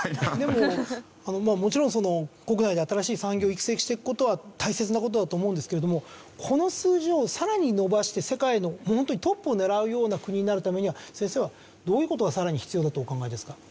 でももちろんその国内で新しい産業を育成していく事は大切な事だと思うんですけれどもこの数字をさらに伸ばして世界のホントにトップを狙うような国になるためには先生はどういう事がさらに必要だとお考えですか？